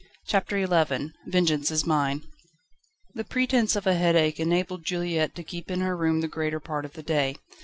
CHAPTER XI "Vengeance is mine." The pretence of a headache enabled Juliette to keep in her room the greater part of the day.